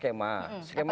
kita sudah menyusun skema